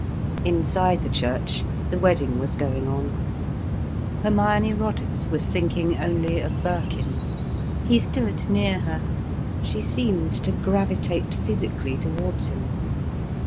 Inside the church, the wedding was going on. Hermione Roddice was thinking only of Birkin. He stood near her. She seemed to gravitate physically towards him.